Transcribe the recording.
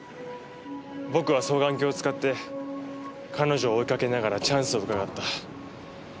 僕は双眼鏡を使って彼女を追いかけながらチャンスをうかがった。